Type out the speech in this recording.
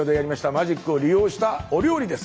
マジックを利用したお料理です！